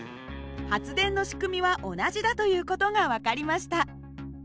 発電の仕組みは同じだという事が分かりました。